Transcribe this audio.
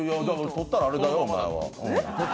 撮ったらあれだよ、お前は。